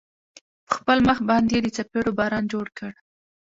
په خپل مخ باندې يې د څپېړو باران جوړ کړ.